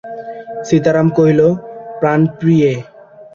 সীতারাম কহিল, প্রাণপ্রিয়ে।